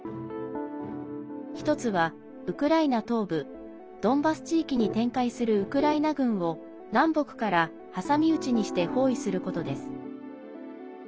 １つは、ウクライナ東部ドンバス地域に展開するウクライナ軍を南北から挟み撃ちにして包囲することです。